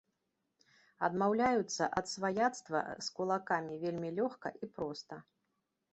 Адмаўляюцца ад сваяцтва з кулакамі вельмі лёгка і проста.